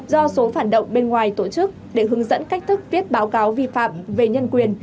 do số phản động bên ngoài tổ chức để hướng dẫn cách thức viết báo cáo vi phạm về nhân quyền